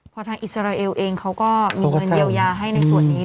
พ่อทางอิสราเอลเองเขาก็มีเงินเดียวยาให้ในส่วนนี้ด้วยนะครับ